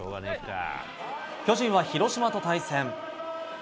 巨人は広島と対戦。